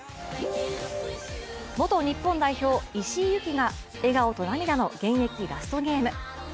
元日本代表、石井優希が笑顔と涙の現役ラストゲーム。